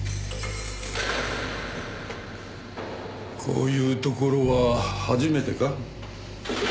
こういうところは初めてか？